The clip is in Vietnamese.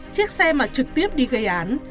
chiếc xe mà trực tiếp đi gây án